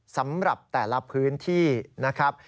สำหรับแต่ละพื้นที่นะครับ